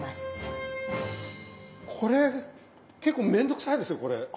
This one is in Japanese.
これ結構面倒くさいですよ。